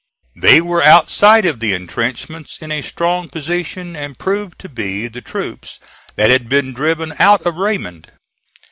They were outside of the intrenchments in a strong position, and proved to be the troops that had been driven out of Raymond.